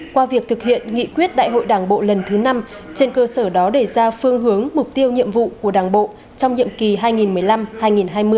qua việc thực hiện nghị quyết đại hội đảng bộ lần thứ năm trên cơ sở đó để ra phương hướng mục tiêu nhiệm vụ của đảng bộ trong nhiệm kỳ hai nghìn một mươi năm hai nghìn hai mươi